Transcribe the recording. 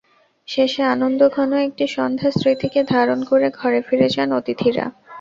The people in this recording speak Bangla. শেষে আনন্দঘন একটি সন্ধ্যার স্মৃতিকে ধারণ করে ঘরে ফিরে যান অতিথিরা।